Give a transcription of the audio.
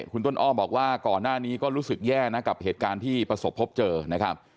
คุณต้นอ้อมบอกว่าก่อนหน้านี้ก็รู้สึกแย่นะกับเหตุการณ์ที่ประสบพบเจอนะครับ